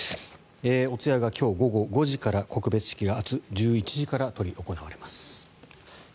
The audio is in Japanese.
お通夜が今日午後５時から告別式が明日１１時から執り行われます。